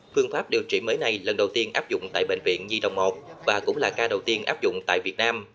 phương pháp điều trị mới này lần đầu tiên áp dụng tại bệnh viện nhi đồng một và cũng là ca đầu tiên áp dụng tại việt nam